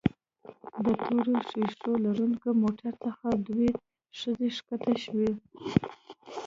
د تورو ښيښو لرونکي موټر څخه دوه ښځې ښکته شوې.